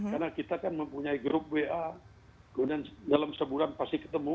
karena kita kan mempunyai grup wa kemudian dalam sebulan pasti ketemu